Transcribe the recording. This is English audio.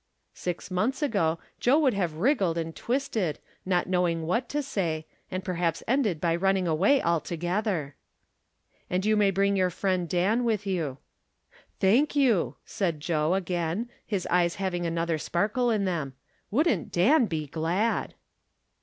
Six months ago Joe would have wriggled and twisted, not knowing what to say, and perhaps ended by running away altogether. " And 3'ou may bring your friend Dan with you." " Thank you," said Joe, again, his eyes having another sparkle in them. Wouldn't Dan be glad